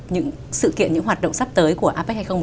những sự kiện những hoạt động sắp tới của apec hai nghìn một mươi